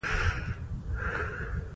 لاری که ګرانې دي اسانې به شي